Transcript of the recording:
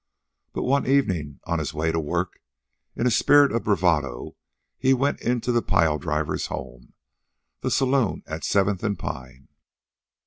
But one evening, on his way to work, in a spirit of bravado he went into the Pile Drivers' Home, the saloon at Seventh and Pine.